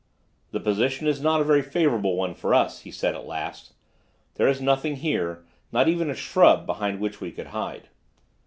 "The position is not a very favorable one for us," he said at last; "there is nothing here, not even a shrub, behind which we could hide."